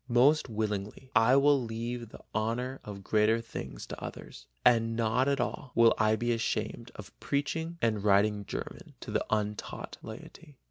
Most willingly I will leave the honor of greater things to others, and not at all will I be ashamed of preaching and writing German to the untaught laity."